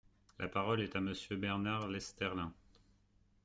La parole est à Monsieur Bernard Lesterlin.